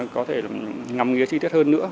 có thể là ngắm nghĩa chi tiết hơn nữa